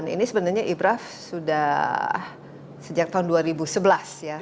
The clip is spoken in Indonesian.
ini sebenarnya ibraf sudah sejak tahun dua ribu sebelas ya